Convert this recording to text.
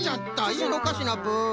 いいのかシナプー？